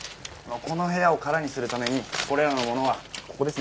この部屋を空にするためにこれらのものはここですね。